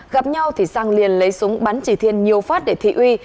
gặp nhau thì sang liền lấy súng bắn chỉ thiên nhiều phát để thị uy